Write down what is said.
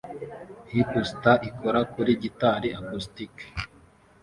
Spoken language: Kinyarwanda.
Hipster ikora kuri gitari acoustic